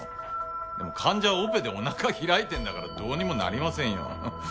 でも患者はオペでお腹開いてんだからどうにもなりませんよ。